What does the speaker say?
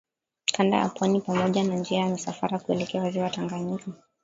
Kanda ya pwani pamoja na njia za misafara kuelekea Ziwa Tanganyika